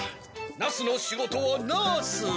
ナスの仕事はナス。